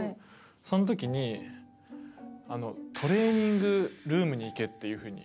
その時に「トレーニングルームに行け！」っていう風に言われて。